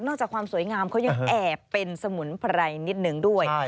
จากความสวยงามเขายังแอบเป็นสมุนไพรนิดนึงด้วย